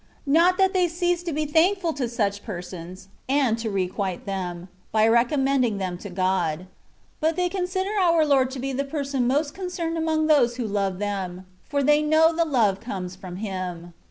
Not that they cease to be thankful to such persons, and to requite them, by recommending them to God : but they consider our Lord to be the Person most con cerned among those who love them, for they know the love comes from Him.